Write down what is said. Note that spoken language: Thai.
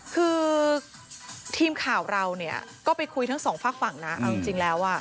คือทีมข่าวเราเนี่ยก็ไปคุยทั้งสองฝากฝั่งนะเอาจริงแล้วอ่ะ